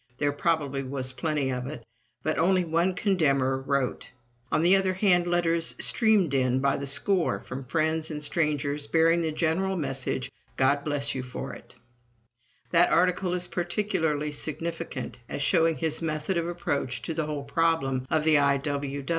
There probably was plenty of it, but only one condemner wrote. On the other hand, letters streamed in by the score from friends and strangers bearing the general message, "God bless you for it!" That article is particularly significant as showing his method of approach to the whole problem of the I.